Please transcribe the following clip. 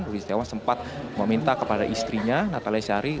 ruli setiawan sempat meminta kepada istrinya natalia syari